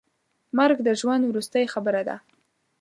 مرګ د ژوند وروستۍ خبره ده.